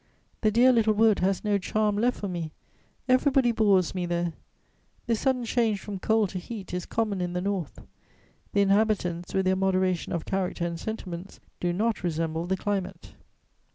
The dear little wood has no charm left for me, everybody bores me there! This sudden change from cold to heat is common in the North; the inhabitants, with their moderation of character and sentiments, do not resemble the climate."